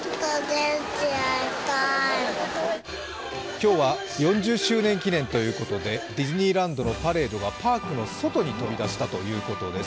今日は４０周年記念ということでディズニーランドのパレードがパークの外に飛び出したということです。